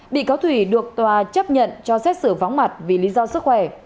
bị cáo thủy được tòa chấp nhận cho xét xử vắng mặt vì lý do sức khỏe